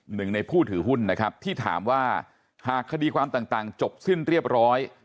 หนึ่งในผู้ถือหุ้นนะครับที่ถามว่าหากคดีความต่างจบสิ้นเรียบร้อย